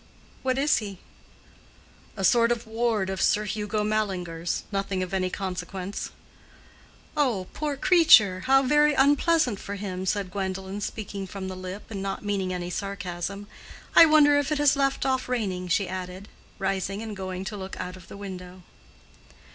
What is he?" "A sort of ward of Sir Hugo Mallinger's. Nothing of any consequence." "Oh, poor creature! How very unpleasant for him!" said Gwendolen, speaking from the lip, and not meaning any sarcasm. "I wonder if it has left off raining!" she added, rising and going to look out of the window.